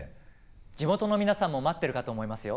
地元の皆さんも待ってるかと思いますよ。